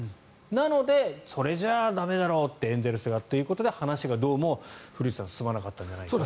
なので、それじゃあ駄目だろうエンゼルスがってことで話がどうも古内さん進まなかったんじゃないかと。